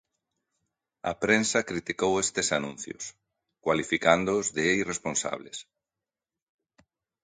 A prensa criticou estes anuncios, cualificándoos de irresponsables.